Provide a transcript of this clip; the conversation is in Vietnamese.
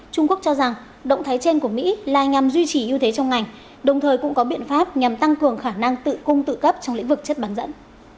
trung quốc cho rằng động thái trên của mỹ là nhằm duy trì ưu thế trong ngành đồng thời cũng có biện pháp nhằm tăng cường khả năng tự cung tự cấp trong lĩnh vực chất bán dẫn